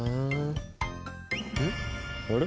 あれ？